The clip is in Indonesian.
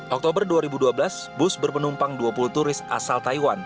oktober dua ribu dua belas bus berpenumpang dua puluh turis asal taiwan